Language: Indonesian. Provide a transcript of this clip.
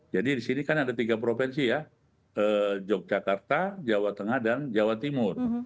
jadi di sini kan ada tiga provinsi ya yogyakarta jawa tengah dan jawa timur